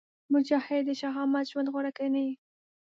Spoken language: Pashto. مجاهد د شهامت ژوند غوره ګڼي.